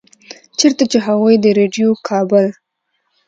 چرته چې هغوي د ريډيؤ کابل